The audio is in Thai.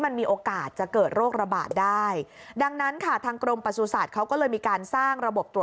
ตลอดจนโรคติดต่ออื่น